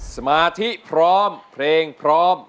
สมาธิพร้อมเพลงพร้อม